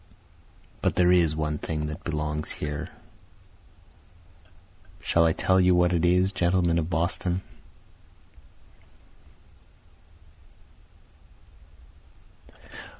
But there is one thing that belongs here shall I tell you what it is, gentlemen of Boston?